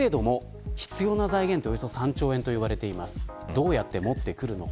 どうやって持ってくるのか。